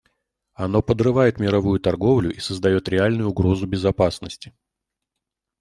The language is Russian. Оно подрывает мировую торговлю и создает реальную угрозу безопасности.